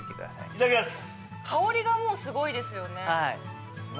いただきます。